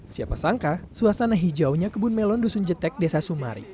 siapa sangka suasana hijaunya kebun melon dusun jetek desa sumari